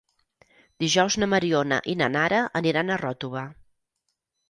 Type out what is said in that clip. Dijous na Mariona i na Nara aniran a Ròtova.